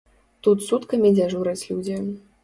Тут суткамі дзяжураць людзі.